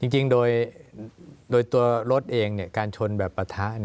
จริงโดยตัวรถเองการชนแบบปะทะ